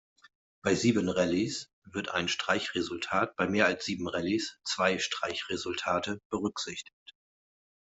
Bei sieben Rallyes wird ein Streichresultat, bei mehr als sieben Rallyes zwei Streichresultate berücksichtigt.